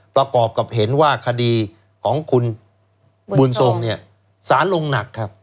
ประกอบกับเห็นว่าคดีของคุณบุญทรงเนี่ยสารลงหนักครับ